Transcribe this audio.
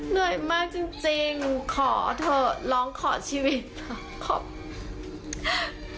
เหนื่อยมากจริงขอเถอะร้องขอชีวิตค่ะ